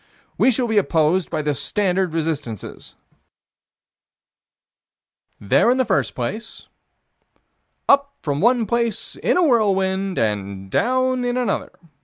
We shall be opposed by the standard resistances: There in the first place; Up from one place, in a whirlwind, and down in another.